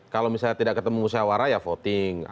kalau misalnya tidak ketemu usia warah ya voting